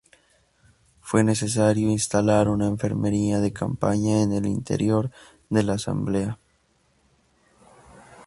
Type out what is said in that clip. Fue necesario instalar una enfermería de campaña, en el interior de la Asamblea.